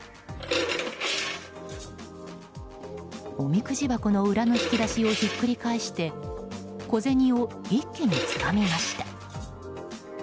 おみくじ箱の裏の引き出しをひっくり返して小銭を一気につかみました。